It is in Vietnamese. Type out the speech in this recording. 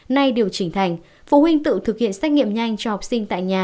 nay điều chỉnh thành phụ huynh tự thực hiện xét nghiệm nhanh cho học sinh tại nhà